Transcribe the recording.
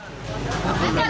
tapi kita ada teras ini